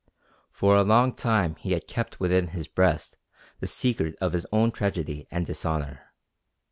For a long time he had kept within his breast the secret of his own tragedy and dishonour.